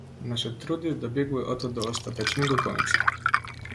"Nasze trudy dobiegły oto do ostatecznego końca."